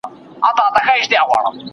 ملکیت یو فطري حق دی.